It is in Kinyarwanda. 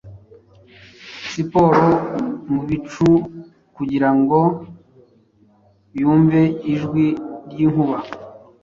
Siporo mubicu kugirango yumve ijwi ryinkuba,